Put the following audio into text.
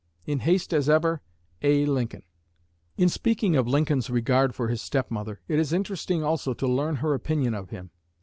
In haste, as ever, A. LINCOLN. In speaking of Lincoln's regard for his step mother, it is interesting also to learn her opinion of him.